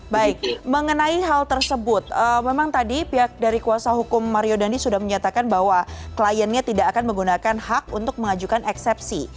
baik mengenai hal tersebut memang tadi pihak dari kuasa hukum mario dandi sudah menyatakan bahwa kliennya tidak akan menggunakan hak untuk mengajukan eksepsi